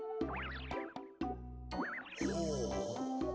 ほう。